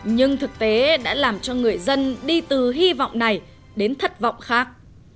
nhưng thực tế đã làm cho người dân đi từ hy vọng này đến thất vọng khác